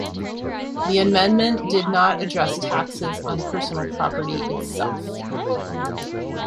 The Amendment did not address taxes on personal property itself.